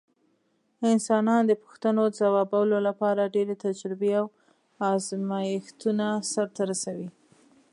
انسانان د پوښتنو ځوابولو لپاره ډېرې تجربې او ازمېښتونه سرته رسوي.